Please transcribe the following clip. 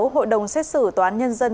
hội đồng xét xử tòa án nhân dân